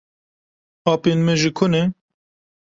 Apên me ji ku ne?